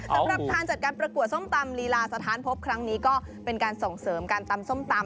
สำหรับการจัดการประกวดส้มตำลีลาสถานพบครั้งนี้ก็เป็นการส่งเสริมการตำส้มตำ